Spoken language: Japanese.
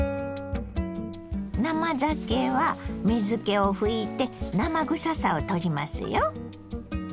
生ざけは水けを拭いて生臭さをとりますよ。